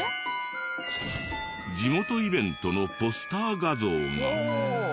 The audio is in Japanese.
地元イベントのポスター画像が。